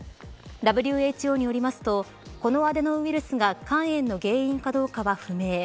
ＷＨＯによりますとこのアデノウイルスが肝炎の原因かどうかは不明。